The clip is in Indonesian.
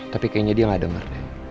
tapi kayaknya dia nggak dengar